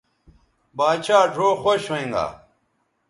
باچھا ڙھؤ خوش ھوینگا